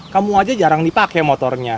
kamu aja jarang dipakai motornya